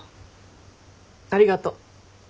ありがとう。